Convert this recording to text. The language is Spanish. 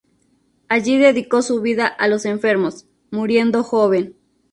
Allí dedicó su vida a los enfermos, muriendo joven.